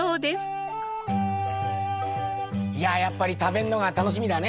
やっぱり食べんのが楽しみだね。